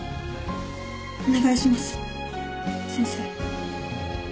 お願いします先生